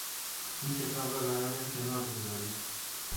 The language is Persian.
این کتاب را برایم کنار بگذارید.